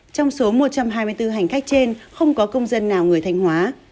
trong số một trăm hai mươi bốn hành khách trên không có công dân nào người thanh hóa